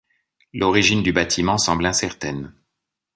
L'origine du bâtiment semble incertaine.